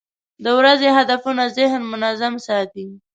د ورځې هدفونه ذهن منظم ساتي.